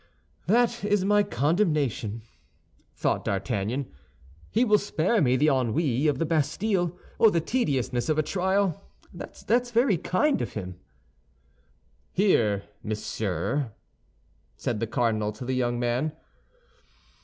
"That is my condemnation," thought D'Artagnan; "he will spare me the ennui of the Bastille, or the tediousness of a trial. That's very kind of him." "Here, monsieur," said the cardinal to the young man.